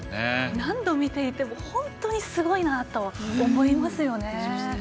何度見ても、本当にすごいなと思いますね。